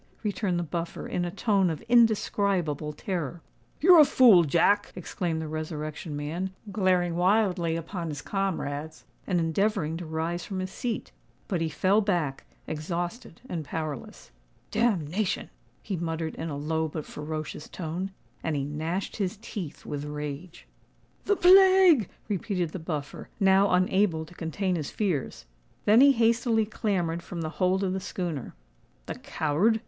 returned the Buffer, in a tone of indescribable terror. "You're a fool, Jack!" exclaimed the Resurrection Man, glaring wildly upon his comrades, and endeavouring to rise from his seat. But he fell back, exhausted and powerless. "Damnation!" he muttered in a low but ferocious tone; and he gnashed his teeth with rage. "The plague!" repeated the Buffer, now unable to contain his fears. Then he hastily clambered from the hold of the schooner. "The coward!"